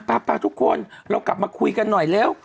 ทุกคนเรากลับมาคุยกันหน่อยเร็ว